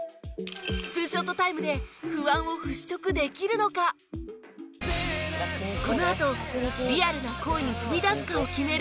２ショットタイムでこのあとリアルな恋に踏み出すかを決める